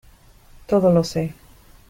todo lo sé.